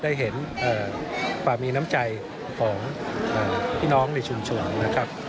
ได้เห็นความมีน้ำใจของพี่น้องในชุมชนนะครับ